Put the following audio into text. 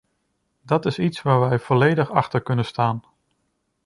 Dat is iets waar wij volledig achter kunnen staan.